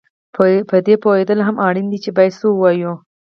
په دې پوهېدل هم اړین دي چې باید څه ووایې